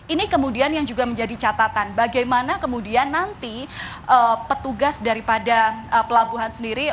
ini kemudian yang juga menjadi catatan bagaimana kemudian nanti petugas daripada pelabuhan sendiri